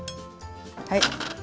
はい。